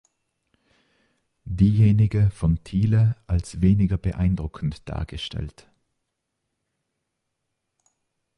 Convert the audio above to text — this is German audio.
Diejenige von Thiele als weniger beeindruckend dargestellt.